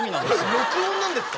録音なんですか？